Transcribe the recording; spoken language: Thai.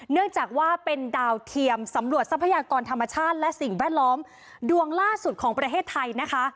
เนื่องจากว่าเป็นดาวเทียมสำรวจทรัพยากรธรรมชาติและสิ่งแวดล้อมดวงล่าสุดของประเทศไทยนะคะ